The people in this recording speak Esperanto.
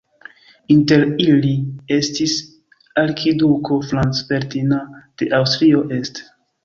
Inter ili estis arkiduko Franz Ferdinand de Aŭstrio-Este.